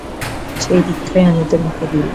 সেই দীক্ষাই আমি তোমাকে দিলাম।